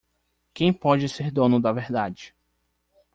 Quem pode ser dono da verdade?